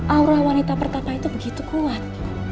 aurah wanita bertapa itu begitu kuat